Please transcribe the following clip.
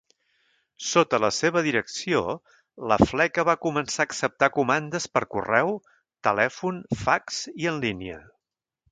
Sota la seva direcció, la fleca va començar a acceptar comandes per correu, telèfon, fax i en línia.